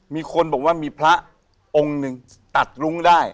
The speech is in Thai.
มีคนบอกว่ามีพระองค์หนึ่งตัดรุ้งได้